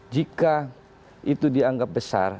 jika itu dianggap besar